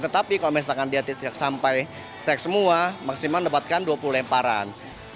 tetapi kalau misalkan dia strike sampai strike semua maksimal mendapatkan dua puluh lemparan